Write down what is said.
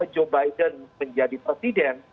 joe biden menjadi presiden